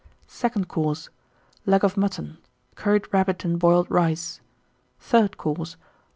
SECOND COURSE. Leg of Mutton. Curried Rabbit and Boiled Rice. THIRD COURSE.